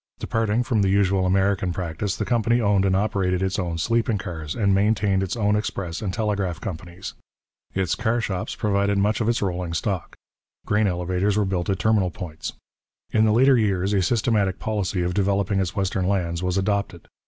Departing from the usual American practice, the company owned and operated its own sleeping cars, and maintained its own express and telegraph companies. Its car shops provided much of its rolling stock. Grain elevators were built at terminal points. In the later years a systematic policy of developing its western lands was adopted.